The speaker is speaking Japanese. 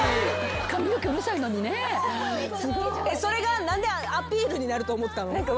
すごい。それが何でアピールになると思ったの？